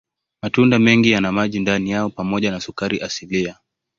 Matunda mengi yana maji ndani yao pamoja na sukari asilia.